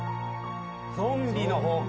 ゾンビの方か。